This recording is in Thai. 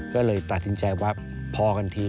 ก็เลยตัดสินใจว่าพอกันที